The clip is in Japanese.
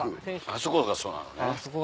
そこがそうなのね。